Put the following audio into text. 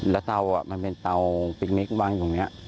แล้วเตามันเป็นเตาพลิกนิกวางอยู่นี่